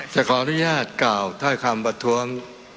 จะขออนุญาตกล่าวถ้อยคำประท้วง